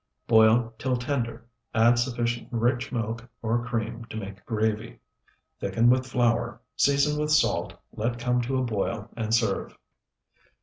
Boil till tender; add sufficient rich milk or cream to make a gravy. Thicken with flour, season with salt, let come to a boil, and serve.